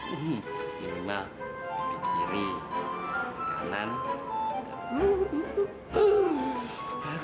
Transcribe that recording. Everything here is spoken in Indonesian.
di rumah di kiri di kanan di bawah